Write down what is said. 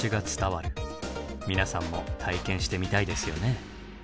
皆さんも体験してみたいですよね？